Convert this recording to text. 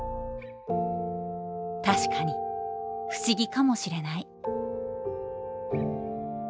「たしかに不思議かもしれない」。